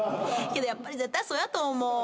けどやっぱり絶対そうやと思う。